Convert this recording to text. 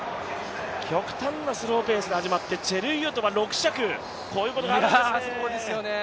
極端なスローペースで始まってチェルイヨトは６着、こういうことがあるんですね。